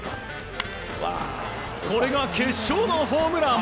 これが決勝のホームラン。